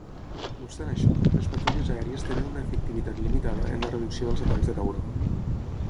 No obstant això, les patrulles aèries tenen una efectivitat limitada en la reducció dels atacs de tauró.